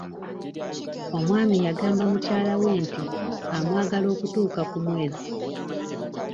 Omwami yagamba mukyala we nti amwagala okutuuka ku mwezi.